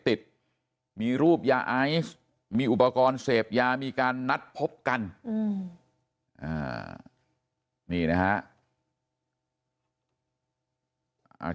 ติดมีรูปยาไอซ์มีอุปกรณ์เสพยามีการนัดพบกันนี่นะฮะ